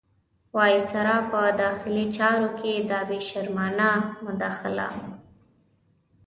وایسرا په داخلي چارو کې دا بې شرمانه مداخله.